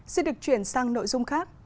xin được chuyển sang nội dung khác